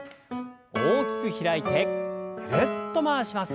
大きく開いてぐるっと回します。